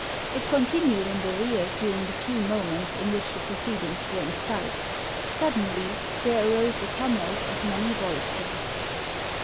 It continued in the rear during the few moments in which the proceedings were in sight Suddenly there arose a tumult of many voices.